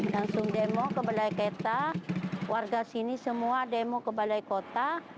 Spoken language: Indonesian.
langsung demo ke balai kota warga sini semua demo ke balai kota